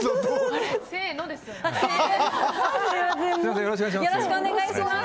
よろしくお願いします。